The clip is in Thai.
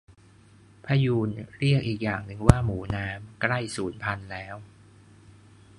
พะยูน เรียกอีกอย่างว่าหมูน้ำ ใกล้สูญพันธุ์แล้ว